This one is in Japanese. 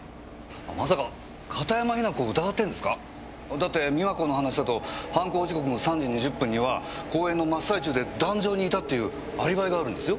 だって美和子の話だと犯行時刻の３時２０分には講演の真っ最中で壇上にいたっていうアリバイがあるんですよ。